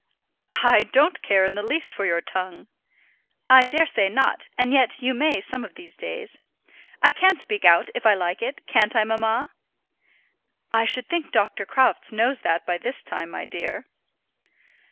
"I don't care in the least for your tongue." "I dare say not, and yet you may some of these days. I can speak out, if I like it; can't I, mamma?" "I should think Dr. Crofts knows that by this time, my dear."